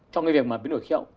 trong cái việc biến đổi khí hậu